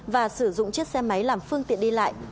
và sử dụng chiếc xe máy làm phương tiện đi lại